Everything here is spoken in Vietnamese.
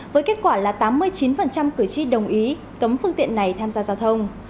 với kết quả là tám mươi chín cử tri đồng ý cấm phương tiện này tham gia giao thông